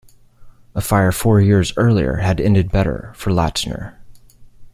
A fire four years earlier had ended better for Lattner.